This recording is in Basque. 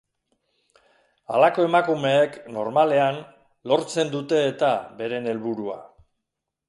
Halako emakumeek, normalean, lortzen dute-eta beren helburua.